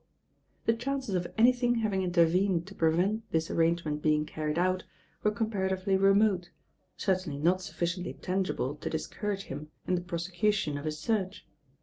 The chances of anything having intervened to prevent this arrangement being carried out were comparatively remote, certainly not sufficiently tan gible to discourage him in the prosecution of hi» search.